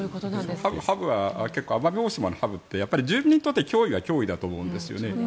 ハブは結構奄美大島のハブって住民にとって脅威は脅威だと思うんですよね。